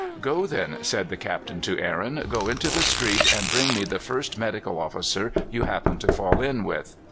"Go, then," said the Captain to Aaron "go into the street, and bring me the first medical officer you happen to fall in with."